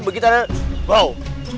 nih begitu ada wow